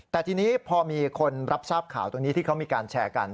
แต่ทีนี้พอมีคนรับทราบข่าวตรงนี้ที่เขามีการแชร์กัน